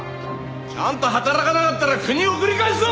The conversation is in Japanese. ちゃんと働かなかったら国へ送り返すぞ！